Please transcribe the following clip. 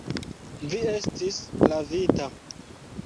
Vi estis lavita.